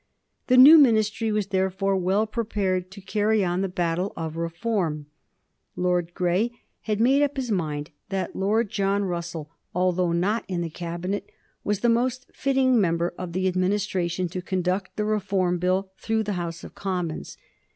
The new Ministry was, therefore, well prepared to carry on the battle of reform. Lord Grey had made up his mind that Lord John Russell, although not in the Cabinet, was the most fitting member of the Administration to conduct the Reform Bill through the House of Commons.